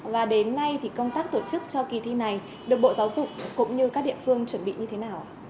và đến nay thì công tác tổ chức cho kỳ thi này được bộ giáo dục cũng như các địa phương chuẩn bị như thế nào ạ